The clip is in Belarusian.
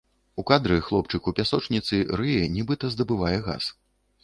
У кадры хлопчык у пясочніцы, рые, нібыта здабывае газ.